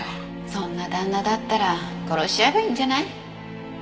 そんな旦那だったら殺しちゃえばいいんじゃない？